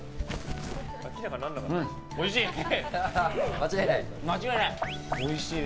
間違いない！